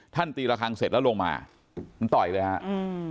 ท่านตีระคังเสร็จแล้วลงมามันตอยเลยฮะ